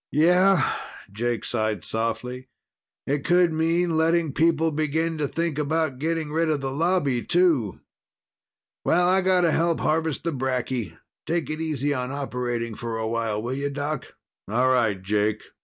"Yeah." Jake sighed softly. "It could mean letting people begin to think about getting rid of the Lobby, too. Well, I gotta help harvest the bracky. Take it easy on operating for a while, will you, Doc?" "All right, Jake.